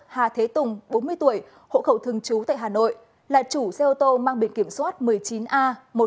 hà thế tùng bốn mươi tuổi hộ khẩu thường chú tại hà nội là chủ xe ô tô mang bệnh kiểm soát một mươi chín a một mươi chín nghìn sáu trăm năm mươi một